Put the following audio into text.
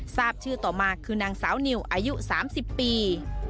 ทราบชื่อต่อมาคือนางสาวนิวอายุ๓๐ปี